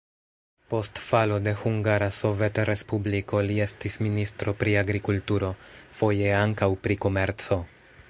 Post falo de Hungara Sovetrespubliko li estis ministro pri agrikulturo, foje ankaŭ pri komerco.